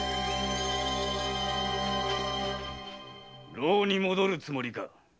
牢に戻るつもりか？